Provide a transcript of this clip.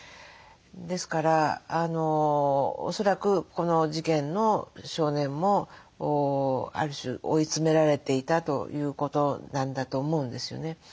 ですから恐らくこの事件の少年もある種追い詰められていたということなんだと思うんですよね。